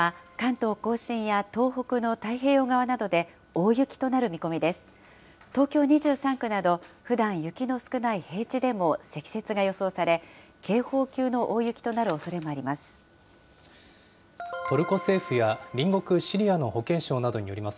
東京２３区など、ふだん雪の少ない平地でも積雪が予想され、警報級の大雪となるおそれがあります。